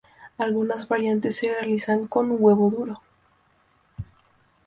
Algunas variantes se realizan con un huevo duro.